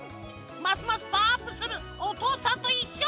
ますますパワーアップする「おとうさんといっしょ」